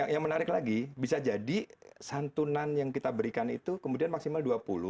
yang menarik lagi bisa jadi santunan yang kita berikan itu kemudian maksimal dua puluh